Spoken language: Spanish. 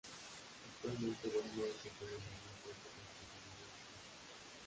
Actualmente no desempeña ningún puesto como funcionario o político.